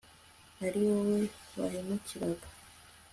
ari wowe bahemukiraga